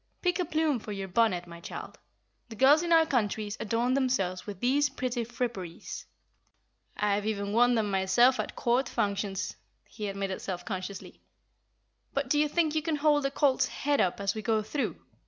"Pick a plume for your bonnet, my child. The girls in our countries adorn themselves with these pretty fripperies. I've even worn them myself at court functions," he admitted self consciously. "But do you think you can hold the colt's head up as we go through?